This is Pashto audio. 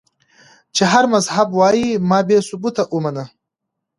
چې هر مذهب وائي ما بې ثبوته اومنه